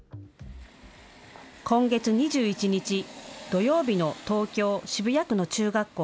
今月２１日、土曜日の東京・渋谷区の中学校。